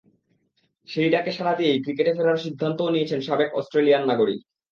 সেই ডাকে সাড়া দিয়েই ক্রিকেটে ফেরার সিদ্ধান্তও নিয়েছেন সাবেক অস্ট্রেলিয়ান অধিনায়ক।